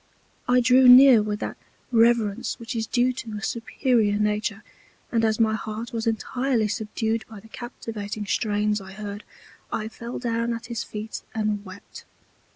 I drew near with that Reverence which is due to a superior Nature; and as my heart was entirely subdued by the captivating Strains I heard, I fell down at his Feet and wept.